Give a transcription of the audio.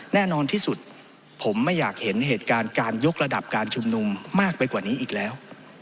แน่นอนที่สุดผมไม่อยากเห็นเหตุการณ์การยกระดับการชุมนุมมากไปกว่านี้อีกแล้ว